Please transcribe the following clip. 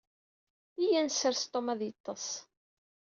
Yya ad nessers Tum ad yeṭṭes.